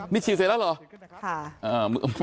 นี่ฉีดเสร็จแล้วเหรอ